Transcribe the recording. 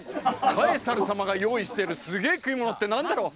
カエサル様が用意してるすげえ食い物って何だろう？